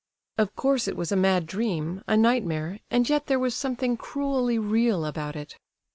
Of course it was a mad dream, a nightmare, and yet there was something cruelly real about it.